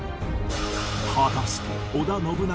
果たして織田信長